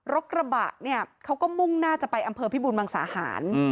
รถกระบะเนี่ยเขาก็มุ่งหน้าจะไปอำเภอพิบูรมังสาหาร